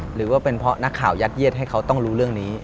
หรือว่าเป็นเพราะนักข่าวยัดเยียดให้เขาต้องรู้เรื่องนี้